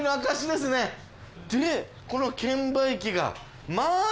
でこの券売機がまあ。